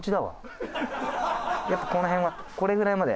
やっぱこの辺はこれぐらいまで。